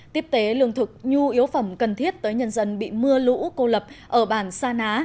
tiếp tế lương thực nhu yếu phẩm cần thiết tới nhân dân bị mưa lũ cô lập ở bản sa ná